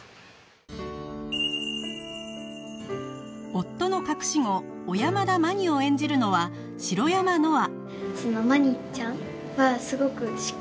夫の隠し子小山田まにを演じるのは白山乃愛